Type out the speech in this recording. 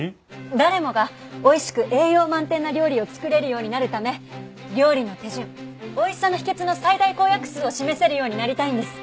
誰もがおいしく栄養満点な料理を作れるようになるため料理の手順おいしさの秘訣の最大公約数を示せるようになりたいんです。